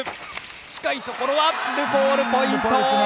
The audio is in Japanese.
近いところはルフォール、ポイント。